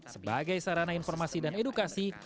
sebagai sarana informasi dan edukasi